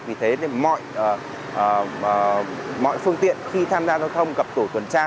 vì thế mọi phương tiện khi tham gia giao thông gặp tổ tuần tra